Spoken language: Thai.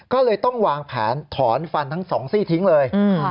ก็เลยต้องวางแผนถอนฟันทั้งสองซี่ทิ้งเลย